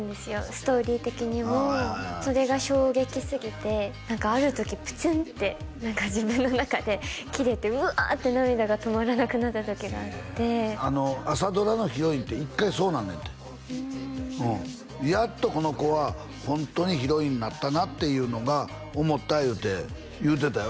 ストーリー的にもそれが衝撃すぎて何かある時プツンって自分の中で切れてうわって涙が止まらなくなった時があって朝ドラのヒロインって１回そうなんねんってうんやっとこの子はホントにヒロインになったなっていうのが思った言うて言うてたよ